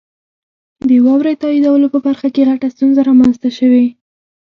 د واورئ تائیدو په برخه کې غټه ستونزه رامنځته شوي.